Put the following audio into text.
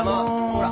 ほら。